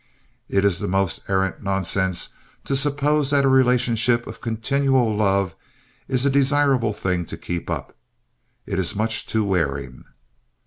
It is the most arrant nonsense to suppose that a relationship of continual love is a desirable thing to keep up. It is much too wearing.